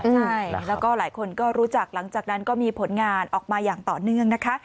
ใช่แล้วก็หลายคนก็รู้จักหลังจากนั้นก็มีผลงานออกมาอย่างต่อเนื่องนะคะ